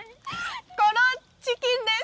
このチキンです！